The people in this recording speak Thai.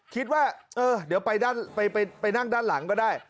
คิดว่าเออเดี๋ยวไปนั่งด้านหลังก็ได้